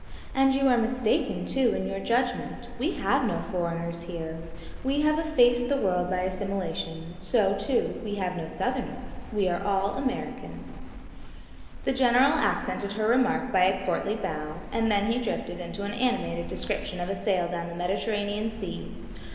And you are mistaken, too, in your judgment: we have no foreigners here. We have effaced the word by assimilation; so, too, we have no Southerners–we are Americans." The General accented her remark by a courtly bow, and then he drifted into an animated description of a sail down the Mediterranean Sea.